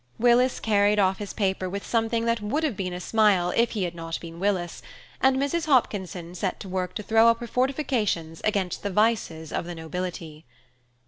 Willis carried off his paper with something that would have been a smile if he had not been Willis, and Mrs. Hopkinson set to work to throw up her fortifications against the vices of the nobility.